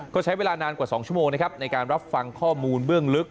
ก็ใช้เวลานานกว่า๒ชั่วโมงนะครับในการรับฟังข้อมูลเบื้องลึก